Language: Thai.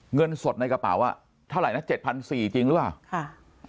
เงินสดในกระเป๋าเท่าไหร่นะ๗๔๐๐จริงหรือเปล่า